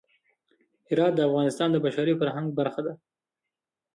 هرات د افغانستان د بشري فرهنګ برخه ده.